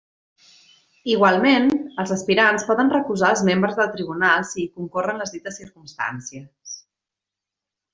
Igualment, els aspirants poden recusar els membres del tribunal si hi concorren les dites circumstàncies.